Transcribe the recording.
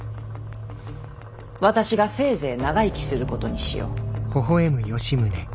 私がせいぜい長生きすることにしよう。